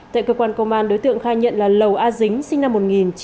tại cơ quan công an đối tượng khai nhận là lầu a dính sinh năm một nghìn chín trăm tám mươi